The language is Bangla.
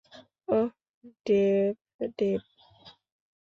Oh Dave, Dave.